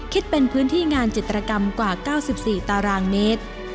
คิดเป็นพื้นที่งานจิตรกรรมกว่า๙๔ตารางเมตร